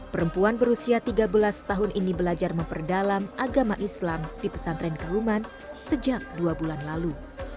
perempuan berusia tiga belas tahun ini belajar memperdalam agama islam di pesantren kauman sejak dua bulan lalu